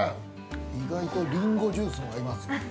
◆意外とリンゴジュースも合いますね。